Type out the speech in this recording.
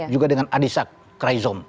juga dengan adisak kraizom